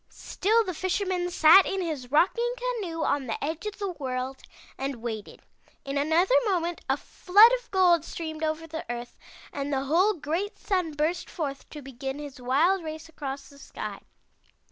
"Still the Fisherman sat in his rocking canoe on the edge of the world and waited. In another moment a flood of gold streamed over the earth and the whole great Sun burst forth to begin his wild race across the sky.